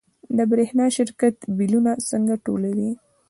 د برښنا شرکت بیلونه څنګه ټولوي؟